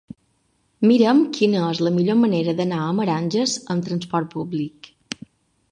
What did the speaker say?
Mira'm quina és la millor manera d'anar a Meranges amb trasport públic.